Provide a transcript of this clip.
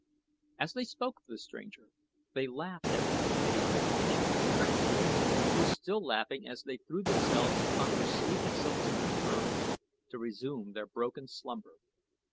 As they spoke of the stranger they laughed at the ease with which they had tricked him, and were still laughing as they threw themselves upon their sleeping silks and furs to resume their broken slumber.